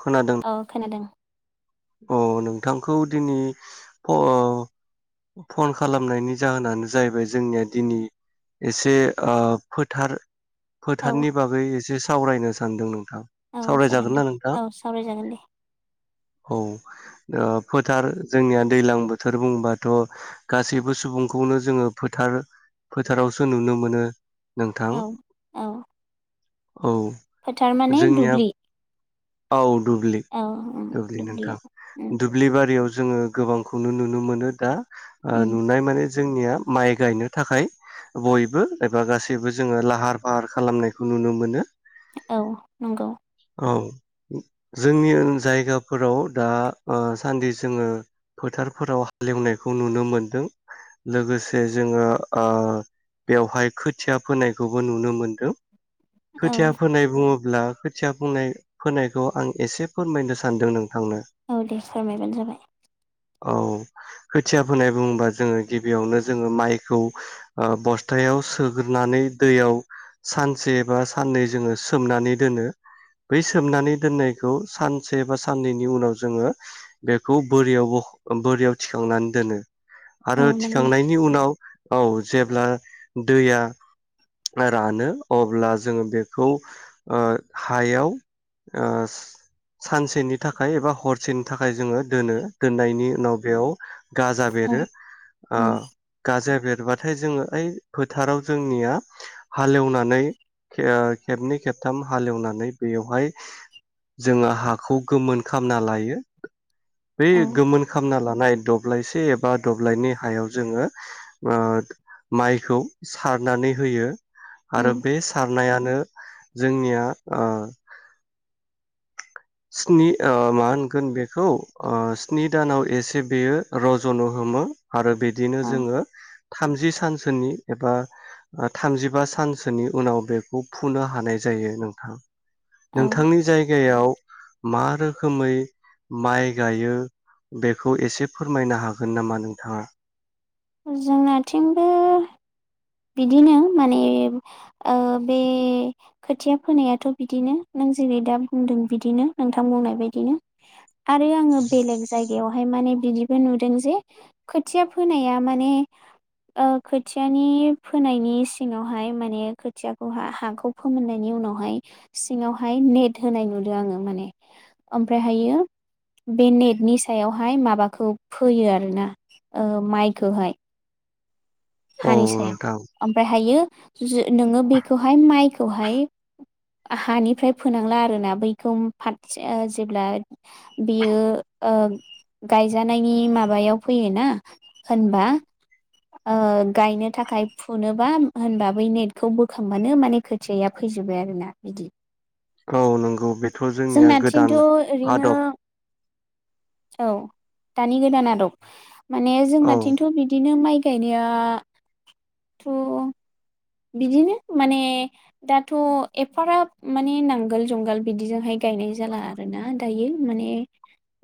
खोनादों औ खोनादों अ नोंथांखौ दिनै अ फन खालामनायनि जाहोनानो जाहैबाय जोंनिया दिनै एसे ओ फोथार औ फोथारनि बागै एसे सावरायनो सानदोंमोन औ जागोन दे औ सावराय जागोन दे औ ओ फोथार जोंनिया दैलां बोथोर बुंबाथ' गासैबो सुबुंखौनो जोङो फोथार फोथारावसो नुनो मोनो नोंथां औ औ औ फोथार माने जोंनिया दुब्लि औ दुब्लि औ उम दुब्लि नोंथां दुब्लियाव उम दुब्लि बारियाव जोङो गोबांखौनो नुनो मोनो दा आ उम नुनाय माने जोंनिया माइ गायनो थाखाय बयबो एबा गासैबो जोङो लाहार फाहार खालामनायखौ नुनो मोनो औ नंगौ औ जोंनि जायगाफोराव दा ओ सान्दि जोङो फोथारफोराव हालेवनायखौ नुनो मोनदों लोगोसे जोङो ओ बेवहाय खोथिया फोनायखौबो नुनो मोनदों औ खोथिया फोनाय बुङो अब्ला खोथिया फोनाय फोनायखौ आं एसे फोरमायनो सान्दों नों औ दे फोरमायबानो जाबाय औ खोथिया फोनाय बुङोबा जोङो गिबियावनो जोङो माइखौ ओ बस्थायाव सोग्रोनानै दैयाव सानसे बा साननै जोङो सोमनानै दोनो बै सोबनानै दोननायखौ सानसे बा साननैनि उनाव जोङो बेखौ बोरियाव बोरियाव थिखांनानै दोनो आरो औ नंगौ थिखांनायनि उनाव औ जेब्ला दैया रानो अब्ला जोङो बेखौ ओ हायाव ओ सानसेनि थाखाय एबा हरसेनि थाखाय जोङो दोनो दोननायनि उनाव बेयाव गाजा औ बेरो ओ उम गाजा बेर बेरबाथाय जोङो ओइ फोथाराव जोंनिया हालेवनानै खेबनै खेबथाम हालेवनानै बेयावहाय जोङो हाखौ गोमोन खामना लायो बै औ गोमोन खामना ला नाय दब्लायसे एबा दब्लायनै हायाव जोङो ओ माइखौ सारनानै होयो उम आरो बे सारनायानो जोंनिया ओ स्नि ओ मा होनगोन बेखौ ओ स्नि दानाव एसे बेयो रज'नो हमो आरो बिदिनो औ जोङो थामजि सानसोनि एबा थामजिबा सानसोनि उनाव बेखौ फुनो हानाय जायो नोंथां औ नोंथांनि जायगायाव मा रोखोमै माइ गायो बेखौ एसे फोरमायनो हागोन नामा नोंथाङा? जोंनाथिंबो बिदिनो माने ओ बे खोथिया फोनायाथ' बिदिनो नों जेरै दा बुंदों बिदिनो नोंथां बुंनाय बायदिनो आरो आङो बेलेग जायग बेयावहाय माने बिदिबो नुदों जे खोथिया फोनाया माने ओ खोथियानि फोनायनि सिङावहाय माने खोथियाखौ हाखौ फोमोननायनि उनावहाय सिङावहाय नेट होनाय नुदों आङो माने ओमफ्रायहायो बे नेटनि सायावहाय माबाखौ फोयो आरोना ओ माइ बेखौहाय औ हानि नोंथां सायाव ओमफ्राय हायो [inaudible] नोङो बेखौहाय माइ खौहाय हानिफ्राय फोनांला आरोना बैखौ फाद जेब्ला बियो गायजानायनि माबायाव फैयोना होनबा ओ गायनो थाखाय फुनोबा होनबा बै नेटखौ बोखांबानो माने खोथियाया फैजोबबाय आरो ना बिदि औ नंगौ बेथ' जोंनिया जोंनाथिंथ' गोदान ओरैनो आदब औ दानि गोदान आदब माने औ जोंनाथिंथ' बिदिनो माइ गायनायाथ' बिदिनो माने दाथ' एफाराब माने नांगोल जुंगाल बिदिजोंहाय गायनाय जाला आरोना दायो माने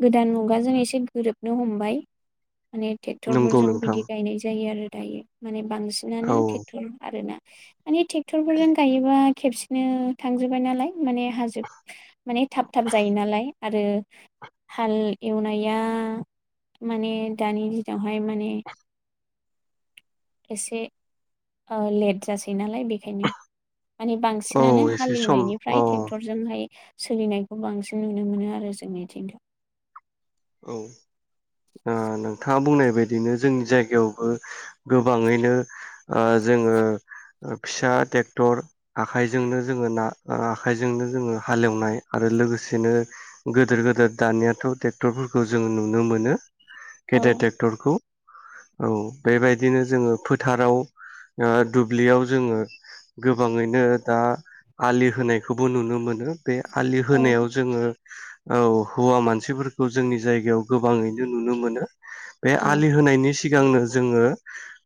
गोदान मुगाजों एसे गोरोबनो हमबाय माने नंगौ ट्रेक्टरफोरजों नोंथां बिदि गायनाय जायो आरो दायो माने बांसिनानो औ ट्रेक्ट'र [unintelligible] माने ट्रेक्टरफोरजों गायोबा खेबसेनो थांजोब्बाय नालाय माने हाजो माने थाब थाब जायो नालाय आरो हाल एवनाया माने दानि दिनावहाय माने एसे ओ लेट जासै ना लाय बेखायनो माने औ बांसिनानो एसे सम औ हालेवनायनिफ्राय ट्रेक्टरजोंहाय सोलिनायखौ बांसिन नुनो मोनो आरो जोंनि दिनाव औ नोंथाङा बुंनाय बायदिनो जोंनि जायगायावबो गोबाङैनो ओ जोङो फिसा ट्रेक्टर आखाइजोंनो जोङो ना आखाइजोंनो जोङो हालेवनाय आरो लोगोसेनो गोदोर गोदोर दानियाथ' टे क्टरफोरखौ जोङो नुनो मोनो औ गेदेर टेक्टरखौ औ बेबायदिनो जोङो फोथाराव ओ दुब्लियाव जोङो गोबाङैनो दा आलि होनायखौबो नुनो मोनो बे आलि होनायाव औ जोङो औ हौवा मानसिफोर खौ जोंनि जायगायाव गोबाङैनो नुनो मोनो बे औ आलि होनायनि सिगांनो जोङो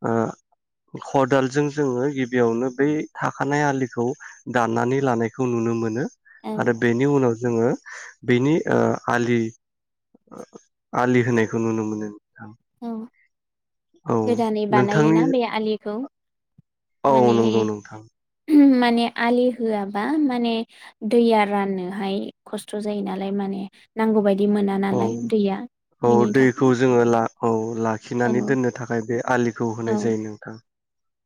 ओ खदालजों जोङो गिबियावनो बै थाखानाय आलिखौ दाननानै लानायखौ नुनो मोनो औ आरो बेनि उनाव जोङो बिनि ओ आलि आलि होनायखौ नुनो मोनो नोंथां औ औ गोदानै नोंथांनि बानायोना बे आलिखौ औ माने नोंगौ नोंथां। [unintelligible] माने आलि होआबा माने दैया राननो हाय खस्थ' जायो नालाय माने नांगौबाय औ औ दैखौ थाखाय जोङो ला औ लाखिनानै आरो दोननो थाखाय बे आलि खौ औ होनाय जायो नोंथां।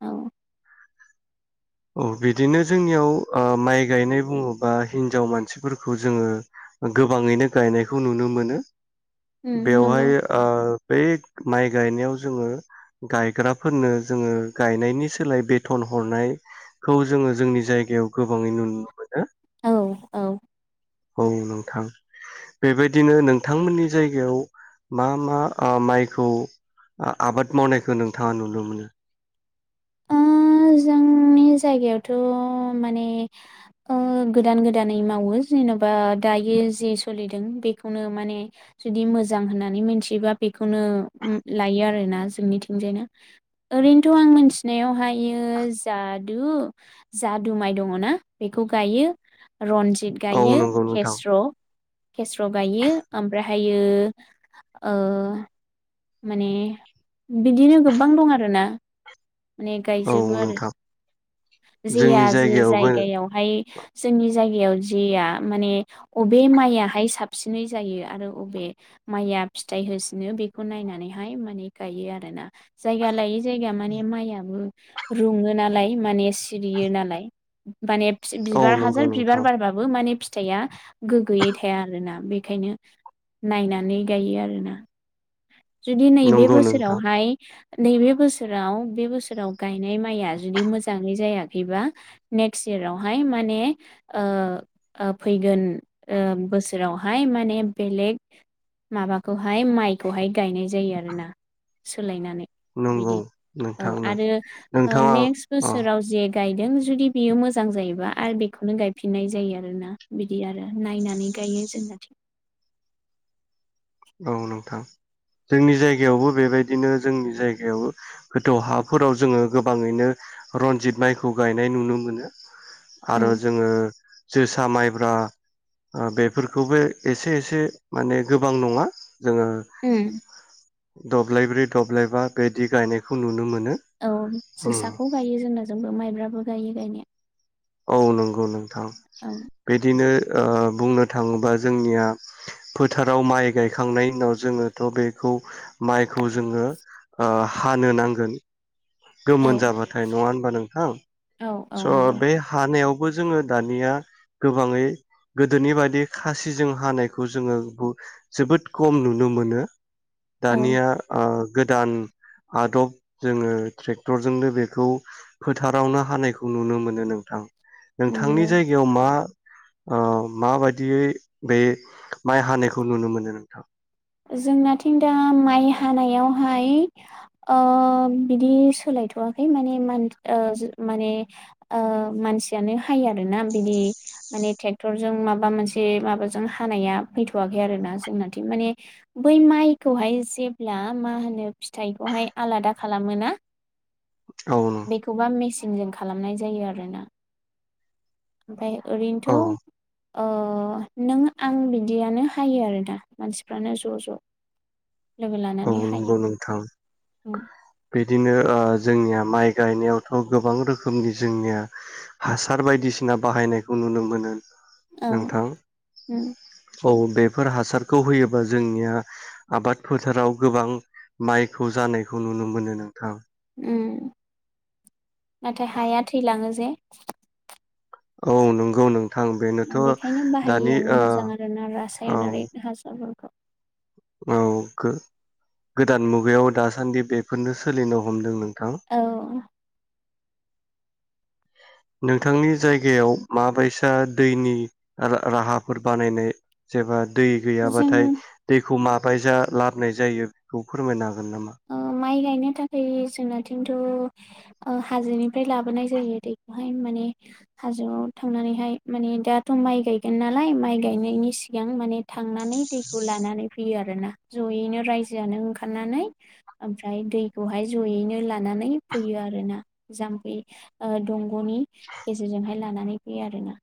औ औ बिदिनो जोंनियाव ओ माइ गायनाय बुङोबा हिन्जाव मानसिफोरखौ जोङो ओ गोबाङैनो गायनायखौ नुनो मोनो। उम नंगौ बेवहाय ओ बै माइ गायनायाव जोङो गायग्राफोरनो जोङो गायनायनि सोलाय बेथन हरनाय खौ जोङो जोंनि जायगायाव गोबाङै नुनो मोनो। औ औ। औ नोंथां बेबायदिनो नोंथांमोननि जायगायाव मा मा ओ माइखौ आबाद मावनायखौ नोंथाङा नुनो मोनो? ओ जोंनि जायगायावथ' माने ओ गोदान गोदानै मावो जेन'बा दायो जे सोलिदों बेखौनो माने जुदि मोजां होननानै मोनथियोबा बेखौनो लायो आरोना जोंनिथिंजायनो ओरैनोथ' आं मोनथि नायावहायो जादु जादु माइ दङना बेखौ गायो। रनजित औ गायो नंगौ नोंथां केस्र' केस्र' गायो ओमफ्रा थायो ओ माने बिदिनो गोबां दं आरोना ने औ गायजोबो आरो। नोंथां जोंनि जेया जे जायगायावबो जायगायावहाय जोंनि जायगायाव जेया माने अबे माइआहाय साबसिनै जायो आरो अबे माइआ फिथाइ होसिनो बेखौ नायनानैहाय माने गायो आरोना जायगा लायै जायगा माने माइआबो रुङो नालाय माने सिरियो नालाय माने फि औ बिबार नंगौ हाजार बिबार नोंथां बारबाबो माने फि फिथाइआ गोगोयै थाया आरोना बेखायनो नायनानै गायो आरोना। जुदि नैबे नंगौ नोंथां बोसोरावहाय नैबे बोसोराव बे बोसोराव गायनाय माइया जुदि मोजाङै जायाखैबा नेक्सट यारावहाय माने ओ ओ फैगोन ओ बोसोरावहाय माने बेलेग माबाखौहाय माइखौहाय गायनाय जायो आरोना सोलायनानै नंगौ बिदि औ नोंथांनो आरो ओ नोंथाङा नेक्स अ बोसोराव जि गायदों जुदि बियो मोजां जायोबा आरो बेखौनो गायफिननाय जायो आरोना बिदि आरो नायनानै गायो जोंना। औ नोंथां जोंनि जायगायावबो बेबायदिनो जोंनि जायगायाव गोथौ हाफोराव जोङो गोबाङैनो रनजित माइखौ गायनाय नुनो मोनो। आरो औ जोङो जोसा माइब्रा ओ बेफोरखौबो एसे एसे माने गोबां नङा। [inaudible] जोङो उम दब्लायब्रै दब्लायबा बेदि गायनायखौ नुनो मोन औ जोसाखौ गायो जोंना जोंबो माइब्रा गायो गायनाया औ नंगौ नों थां औ बिदिनो ओ बुंनो थाङोबा जोंनिया फोथाराव माइ गायखांनायनि उनाव जोङोथ' बेखौ माइखौ जोङो ओ हानो नांगोन गोमोन औ जाबाथाय नङा होनबा नोंथां औ औ स' नंगौ बे हानायाव बो जोङो दानिया गोबाङै गोदोनि बायदि खासिजों हानायखौ जोङो जोबोद खम नुनो मोनो औ दानिया आ गोदान आदब जोङो ट्रेक्टरजोंनो बेखौ फोथारावनो हानायखौ नुनो मोनो नोंथां नोंथांनि नंगौ जायगायाव मा? ओ माबायदियै बे माइ हानायखौ नुनो मोनो नोंथां? जोंनाथिं दा माइ हानायावहाय ओ बिदि सोलायथ'वाखै माने माने ओ मानसियानो हायो आरोना बिदि माने ट्रेक्टरजों माबा मोनसे माबाजों हानाया फैथ'वाखै आरोना जोंनाथिं माने बै माइखौहाय जेब्ला मा होनो फिथाइखौहाय आलादा खालामो ना औ बेखौबा मिसि मिसिनजों खालामनाय जायो आरोना ओमफ्राय औ ओरैनोथ' ओ नों आं बिदियानो हायो आरो दा मानसि फ्रानो ज' ज' लानानै औ हायो नंगौ नोंथां बे बिदिनो ओ जोंनिया माइ गायनायावथ' गोबां रोखोमनि जोंनिया हासार बायदिसिना बाहायनायखौ नुनो मोनो औ नोंथां ओं औ बेफोर हासारखौ होयोबा जोंनिया आबादफोर थाराव गोबां माइखौ जानायखौ नुनो मोनो नोंथां उम नाथाय हाया थैलाङो जे औ नंगौ नों बेखायनो बाहायिआनो मोजां आरोना औ रासायनारि हासारफोरखौ औ गो-गोदान मुगायाव दासान्दि बेफोरनो सोलिनो हमदों नों औ नोंथांनि जायगायाव माबायसा दैनि रा- राहाफोर बानायनाय जेबा दै जों गैयाबाथाय दैखौ मा बायजा लाबोनाय जायो बेखौ फोरमायनो हागोन नामा ओ माइ गायनो थाखाय जोंनाथिंथ' ओ हाजोनिफ्राय लाबोनाय जायो दैखौहाय माने हाजोआव थांनानैहाय माने दाथ' माइ गायगोन नालाय माइ गायनायनि सिगां मान थांना नै दैखौ लानानै फै फैयो आरोना जयैनो रायजोआनो ओंखारनानै ओमफ्राय दैखौहाय जयैनो लानानै फैयो आरोना जामफै ओ दं गनि गेजेरजोंहाय लानानै [unintelligible] आरो ना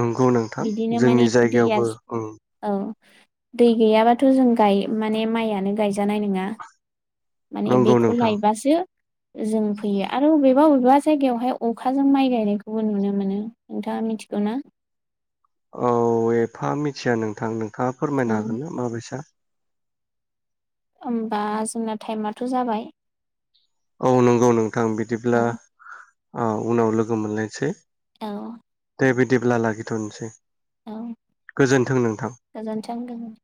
नंगौ नोंथां माने जोंनि दैया जायगायावबो ओं औ दै गैयाबाथ' जों गाय माने माइयानो गायजानाय नङा माने नंगौ बेखौ नोंथां लायबासो जों फैयो आरो अबेबा अबेबा जायगायावहाय अखाजों माइ गायनायखौबो नुनो मोनो नोंथाङा मि थिगौना औ एफा मिथिया नोंथां नों थाङा औ फोरमायनो होनो माबैसा होमबा जोंना टाइमाथ' जाबाय औ नंगौ नोंथां बिदिब्ला औ ओ उनाव लोगो मोनलायनसै औ बेबायदिब्ला लाखिथ'नोसै औ गोजोन्थों नोंथां। गोजानथों गोजोनथों